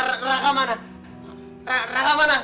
mas tenang aja mas ada di rumah saya kok